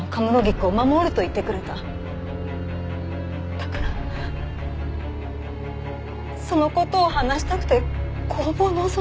だからその事を話したくて工房をのぞいたら。